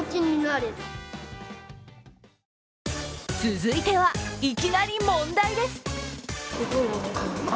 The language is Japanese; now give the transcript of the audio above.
続いては、いきなり問題です。